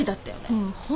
うん。